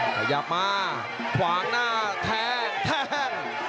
ขยับมาขวางหน้าแทงแทง